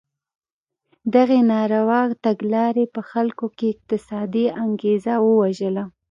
دغې ناروا تګلارې په خلکو کې اقتصادي انګېزه ووژله.